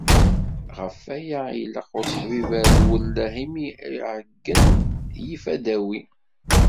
Ɣef waya ilaq, useḥbiber d uwelleh, imi aɛeyyen yif adawi.